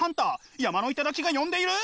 山の頂が呼んでいる！